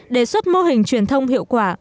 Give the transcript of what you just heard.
đề xuất mô hình truyền thông hiệu quả